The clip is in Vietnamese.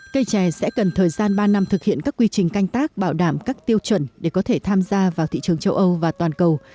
cây chè sẽ cần thời gian ba năm thực hiện các quy trình canh tác bảo đảm các tiêu chuẩn để có thể tham gia vào thị trường châu âu và toàn cầu